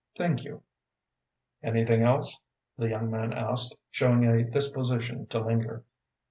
"Thank you." "Anything else?" the young man asked, showing a disposition to linger.